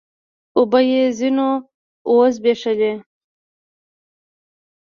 اوبه يې ځيني و زبېښلې